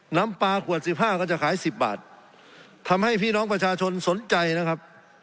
น้ำปลาขวดสิบห้าก็จะขายสิบบาททำให้พี่น้องประชาชนสนใจนะครับ